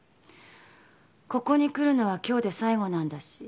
ここに来るのは今日で最後なんだし。